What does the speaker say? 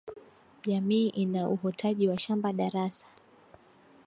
Jamii ina uhotaji wa shamba darasa